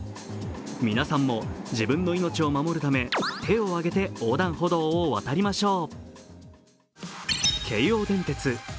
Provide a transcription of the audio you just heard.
皆さんも自分の命を守るため手を上げて横断歩道を渡りましょう。